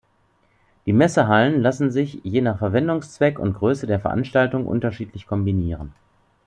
Die Messehallen lassen sich, je nach Verwendungszweck und Größe der Veranstaltung, unterschiedlich kombinieren.